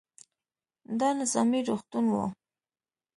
دا نظامي روغتون و.